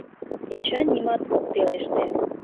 Эчан нимат ок пелеште.